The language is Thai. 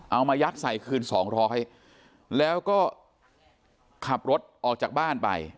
เอามายัดใส่คืนสองร้อยแล้วก็ขับรถออกจากบ้านไป